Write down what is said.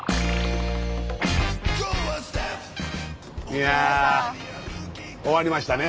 いや終わりましたね。